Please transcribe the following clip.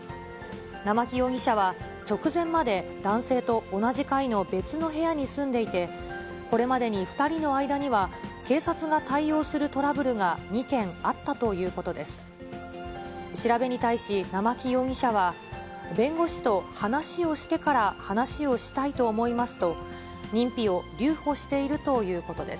生木容疑者は、直前まで男性と同じ階の別の部屋に住んでいて、これまでに２人の間には警察が対応するトラブルが２件あったということです。